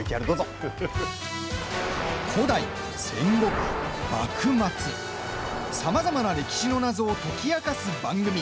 古代、戦国、幕末、さまざまな歴史の謎を解き明かす番組